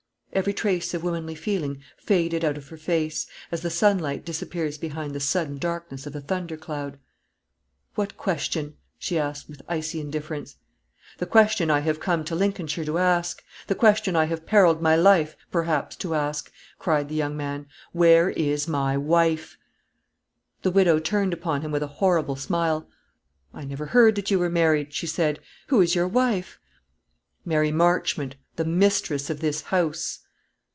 Every trace of womanly feeling faded out of her face, as the sunlight disappears behind the sudden darkness of a thundercloud. "What question?" she asked, with icy indifference. "The question I have come to Lincolnshire to ask the question I have perilled my life, perhaps, to ask," cried the young man. "Where is my wife?" The widow turned upon him with a horrible smile. "I never heard that you were married," she said. "Who is your wife?" "Mary Marchmont, the mistress of this house."